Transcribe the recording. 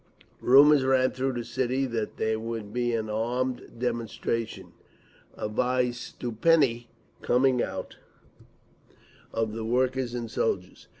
Rumours ran through the city that there would be an armed "demonstration," a vystuplennie—"coming out" of the workers and soldiers.